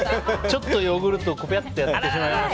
ちょっとヨーグルトをぴゃってやってしまいました。